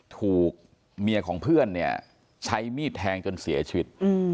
ถูกเมียของเพื่อนเนี่ยใช้มีดแทงจนเสียชีวิต